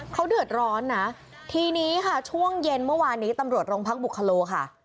เขาเดือดร้อนนะทีนี้ค่ะช่วงเย็นเมื่อวานนี้ตำรวจโรงพักบุคโลค่ะ